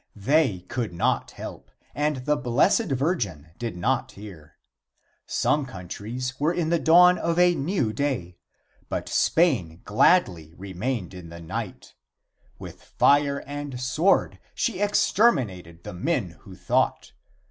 They could not help, and the Blessed Virgin did not hear. Some countries were in the dawn of a new day, but Spain gladly remained in the night. With fire and sword she exterminated the men who thought.